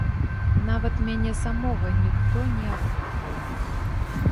Нават мяне самога ніхто не апытваў.